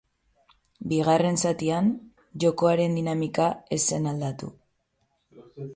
Bigarren zatian, jokoaren dinamika ez zen aldatu.